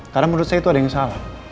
karena menurut saya itu ada yang salah